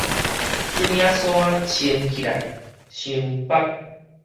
這領衫穿起來傷縛